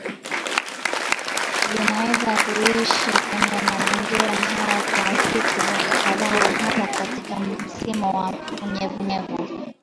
vinaweza kuishi kwenye mazingira haya kwa siku kadhaa hasa katika msimu wa unyevunyevu